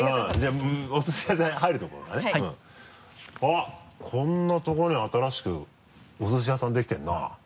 あっこんなとこに新しくおすし屋さんできてるな。